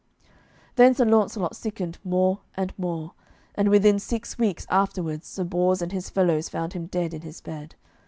Then Sir Launcelot sickened more and more, and within six weeks afterwards Sir Bors and his fellows found him dead in his bed.